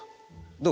どう？